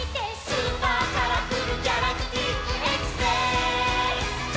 「スーパーカラフルギャラクティックエクスプレス！」